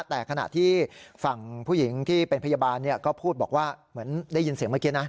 แต่ขณะที่ฝั่งผู้หญิงที่เป็นพยาบาลก็พูดบอกว่าเหมือนได้ยินเสียงเมื่อกี้นะ